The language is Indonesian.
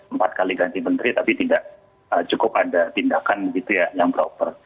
empat kali ganti menteri tapi tidak cukup ada tindakan begitu ya yang proper